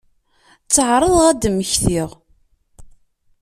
Tteɛraḍeɣ ad d-mmektiɣ.